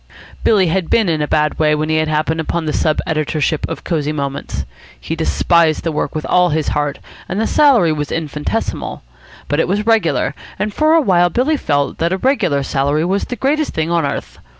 Billy had been in a bad way when he had happened upon the sub editorship of Cosy Moments. He despised the work with all his heart, and the salary was infinitesimal. But it was regular, and for a while Billy felt that a regular salary was the greatest thing on earth.